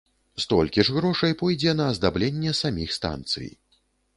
Столькі ж грошай пойдзе на аздабленне саміх станцый.